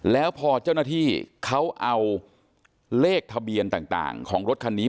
แล้วพอเจ้าหน้าที่เขาเอาเลขทะเบียนต่างของรถคันนี้